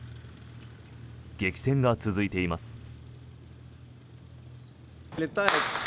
激戦が続いています。